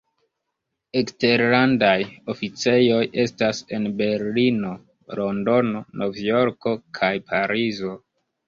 Eksterlandaj oficejoj estas en Berlino, Londono, Novjorko kaj Parizo.